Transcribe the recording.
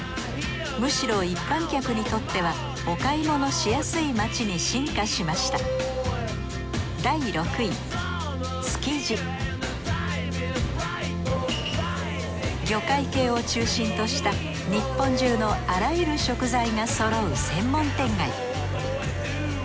むしろ一般客にとってはお買い物しやすい街に進化しました魚介系を中心とした日本中のあらゆる食材がそろう専門店街。